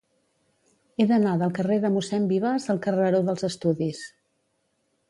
He d'anar del carrer de Mossèn Vives al carreró dels Estudis.